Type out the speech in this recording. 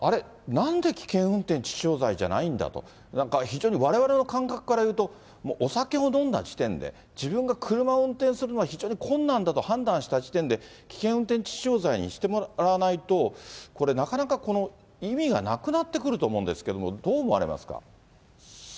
なんで危険運転致死傷罪じゃないんだと、なんか非常にわれわれの感覚から言うと、お酒を飲んだ時点で、自分が車を運転するのは非常に困難だと判断した時点で、危険運転致死傷罪にしてもらわないと、これ、なかなかこの意味がなくなってくると思うんですけれども、どう思われますか？